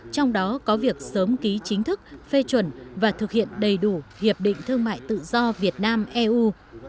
trong đó có việc sớm ký chính thức phê chuẩn và thực hiện đầy đủ hiệp định thương mại tự do việt nam eu